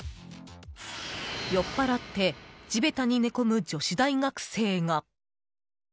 酔っ払って地べたに寝込む女子大学生が。